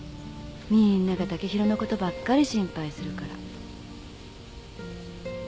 みんなが剛洋のことばっかり心配するから。